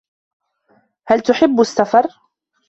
هَلْ تُحِبُّ السَّفَرَ.